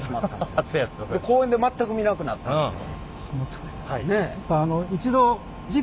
で公園で全く見なくなったんですよ。